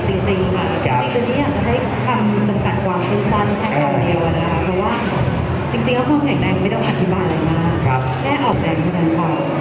ตรงนี้อยากจะให้คำสักตะวางขึ้นสั้นแค่คนเดียวเพราะว่าจริงพวกแห่งแดงไม่ได้อธิบายเลยมากแค่ออกแดงให้คนเดียวค่อย